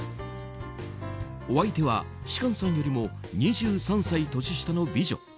お相手は、芝翫さんよりも２３歳年下の美女。